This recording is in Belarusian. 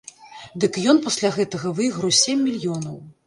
Дык ён пасля гэтага выйграў сем мільёнаў!